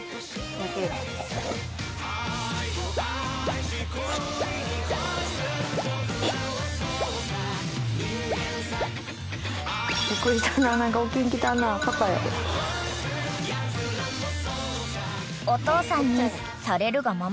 ［お父さんにされるがままの赤ちゃん］